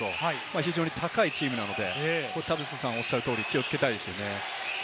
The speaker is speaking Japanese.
非常に高いチームなので、田臥さんがおっしゃる通り、気をつけたいですね。